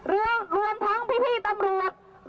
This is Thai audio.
รวมทั้งพี่ตำรวจ